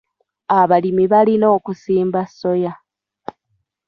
Abalimi balina okusimba soya.